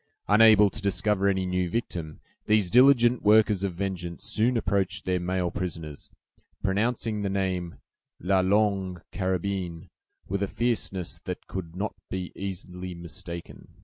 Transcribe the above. Unable to discover any new victim, these diligent workers of vengeance soon approached their male prisoners, pronouncing the name "La Longue Carabine," with a fierceness that could not be easily mistaken.